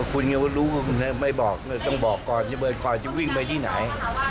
เพราะว่านายกเป็นคนกำลังจะวิ่งไปที่ไหน